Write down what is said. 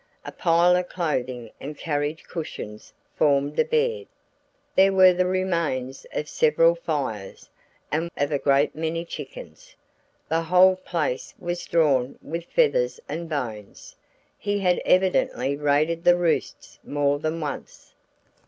A pile of clothing and carriage cushions formed a bed. There were the remains of several fires and of a great many chickens the whole place was strewn with feathers and bones; he had evidently raided the roosts more than once.